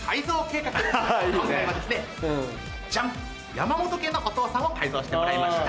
山本家のお父さんを改造してもらいました。